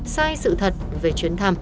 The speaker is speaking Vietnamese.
sai sự thật về chuyến thăm